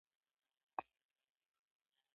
کلیوالو خوا نه بدوله.